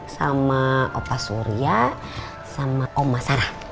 sama opa surya sama oma sarah